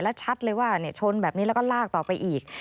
และชัดเลยว่าชนแบบนี้แล้วก็ลากต่อไปอีก